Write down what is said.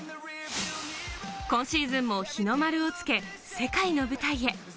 今シーズンも日の丸をつけ、世界の舞台へ。